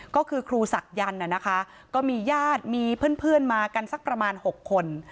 ก็คือครูศักดิ์ยันต์น่ะนะคะก็มีญาติมีเพื่อนเพื่อนมากันสักประมาณหกคน